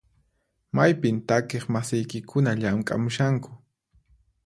Maypin takiq masiykikuna llamk'amushanku?